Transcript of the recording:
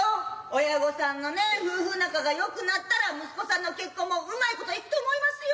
親御さんのね夫婦仲がよくなったら息子さんの結婚もうまいこといくと思いますよ。